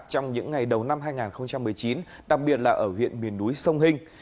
trong những ngày đầu năm hai nghìn một mươi chín đặc biệt là ở huyện miền núi sông hình